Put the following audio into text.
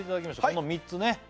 この３つね